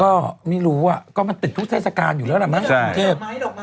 ก็ไม่รู้อะก็มันติดทุกทศาสการอยู่แล้วน่ะมันหายมาที่หงเขบ